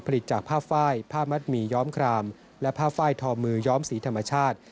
จากผ้าไฟล์ผ้ามัดหมี่ย้อมครามและผ้าไฟล์ทอมือย้อมสีธรรมชาติ